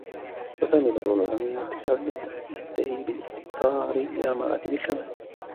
وَالثَّامِنُ طُولُ الْعُمُرِ وَاتِّسَاعُ الْمُدَّةِ ؛ لِيَنْتَهِيَ بِالِاسْتِكْثَارِ إلَى مَرَاتِبِ الْكَمَالِ